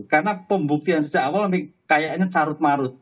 karena pembuktian sejak awal ini kayaknya carut marut